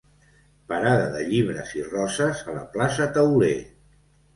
Parada de llibres i roses a la plaça Teuler.